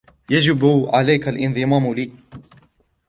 يجب عليك الانضمام لي.